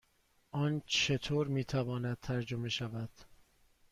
آن چطور می تواند ترجمه شود؟